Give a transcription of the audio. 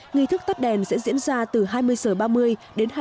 nghi thức tắt đèn sẽ diễn ra từ hai mươi h ba mươi đến hai mươi một h ba mươi